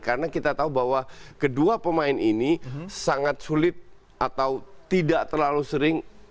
karena kita tahu bahwa kedua pemain ini sangat sulit atau tidak terlalu sering